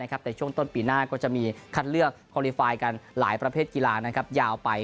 ของพหลาดหน้ากีฬานั้นครับยาวไป